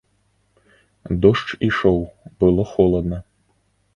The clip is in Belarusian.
Дождж ішоў, было холадна.